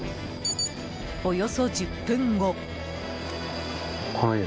およそ１０分後。